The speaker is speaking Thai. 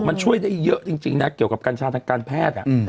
มันช่วยได้เยอะจริงนะเกี่ยวกับกัญชาทางการแพทย์